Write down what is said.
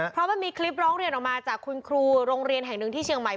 เพราะมันมีคลิปร้องเรียนออกมาจากคุณครูโรงเรียนแห่งหนึ่งที่เชียงใหม่